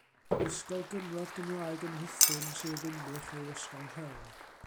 Ysgol gynradd Gymraeg yn Rhuthun, Sir Ddinbych, yw Ysgol Rhewl.